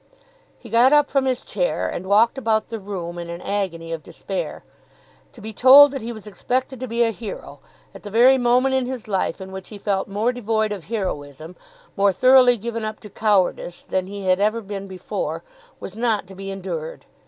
He got up from his chair and walked about the room in an agony of despair. To be told that he was expected to be a hero at the very moment in his life in which he felt more devoid of heroism, more thoroughly given up to cowardice than he had ever been before, was not to be endured!